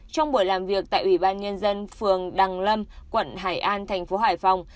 trong buổi làm việc tại ủy ban nhân dân phường đằng lâm quận hải an thành phố hải phòng